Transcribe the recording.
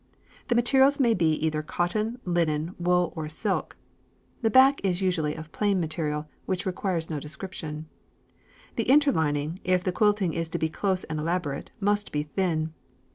The materials may be either cotton, linen, wool, or silk. The back is usually of plain material, which requires no description. The interlining, if the quilting is to be close and elaborate, must be thin.